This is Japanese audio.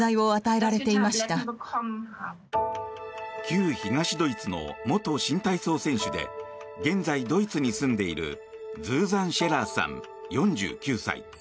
旧東ドイツの元新体操選手で現在ドイツに住んでいるズーザン・シェラーさん４９歳。